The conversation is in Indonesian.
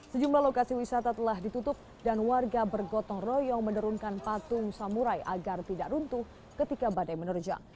sejumlah lokasi wisata telah ditutup dan warga bergotong royong menurunkan patung samurai agar tidak runtuh ketika badai menerjang